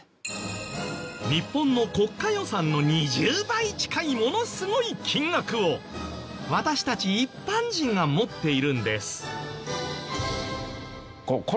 日本の国家予算の２０倍近いものすごい金額を私たち一般人が持っているんです。